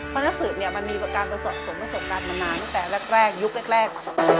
เพราะนักสืบเนี่ยมันมีการผสมประสบการณ์มานานตั้งแต่แรกยุคแรก